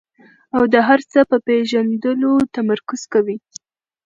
او د هر څه په پېژندلو تمرکز کوي.